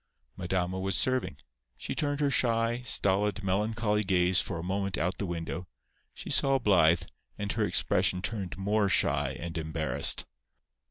Madama was serving; she turned her shy, stolid, melancholy gaze for a moment out the window; she saw Blythe, and her expression turned more shy and embarrassed.